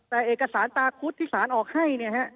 แต่เอกสารตาคุศที่ศาลออกให้